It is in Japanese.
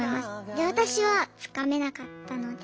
で私はつかめなかったので。